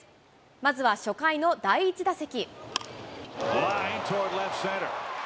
まずは初回の第１打席。